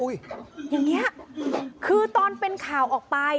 อย่างนี้คือตอนเป็นข่าวออกไป